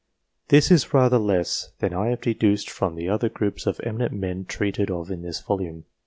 This is rather less than I have deduced from the other groups of eminent men treated of in this volume.